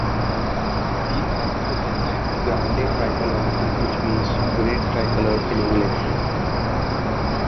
The anthem is entitled "Grande Tricolor", which means "Great Tricolor" in English.